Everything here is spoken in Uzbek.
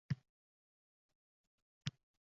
hozirgi kunning ilg‘or yigitlari edi.